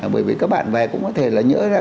bởi vì các bạn bè cũng có thể là nhớ ra